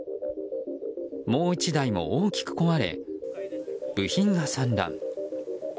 もう１台も大きく壊れ部品が散乱。